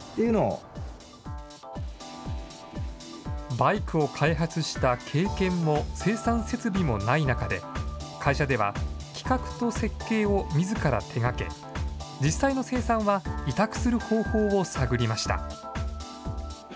バイクを開発した経験も生産設備もない中で、会社では、企画と設計をみずから手がけ、実際の生産は委託する方法を探りました。